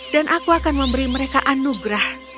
dan aku akan memberi mereka anugerah